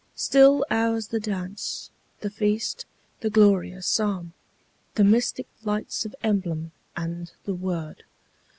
Still ours the dance, the feast, the glorious Psalm, The mystic lights of emblem, and the Word.